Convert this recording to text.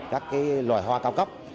các loài hoa cao cấp